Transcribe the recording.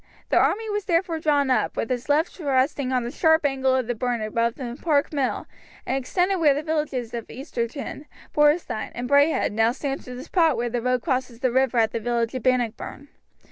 The army was therefore drawn up, with its left resting on the sharp angle of the burn above the Park Mill, and extended where the villages of Easterton, Borestine, and Braehead now stand to the spot where the road crosses the river at the village of Bannockburn.